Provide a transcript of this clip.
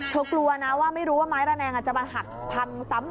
เธอกลัวนะว่าไม่รู้ว่าไม้ระแหนงอ่ะจะมาหักพังสั้นอีกหรือเปล่า